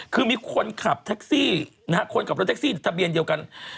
คือมีคนขับแท็กซี่นะฮะคนขับรถแท็กซี่ทะเบียนเดียวกัน